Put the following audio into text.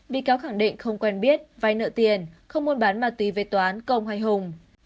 bị cáo khẳng định không quen biết vay nợ tiền không muốn bán mà tùy về toán công hay hùng